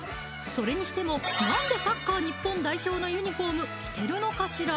それにしてもなんでサッカー日本代表のユニフォーム着てるのかしら？